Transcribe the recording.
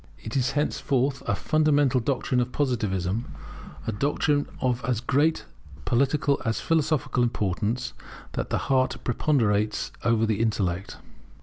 It is henceforth a fundamental doctrine of Positivism, a doctrine of as great political as philosophical importance, that the Heart preponderates over the Intellect.